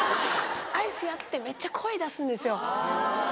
アイス屋ってめっちゃ声出すんですよ。